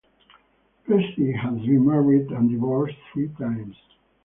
Pesci has been married and divorced three times.